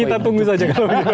kita tunggu saja